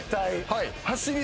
はい。